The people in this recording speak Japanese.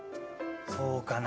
そうかな？